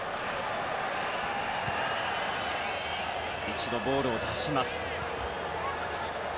一度ボールを出しました。